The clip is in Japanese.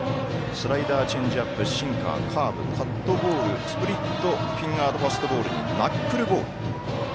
スライダー、チェンジアップシンカーカーブ、カットボールスプリットフィンガーファストボールにナックルボール。